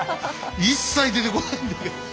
一切出てこないんだけど。